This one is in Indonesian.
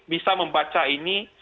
bisa membaca ini